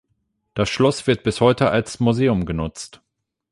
Das Schloss wird bis heute als Museum genutzt.